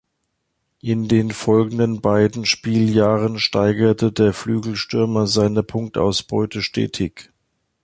In den folgenden beiden Spieljahren steigerte der Flügelstürmer seine Punktausbeute stetig.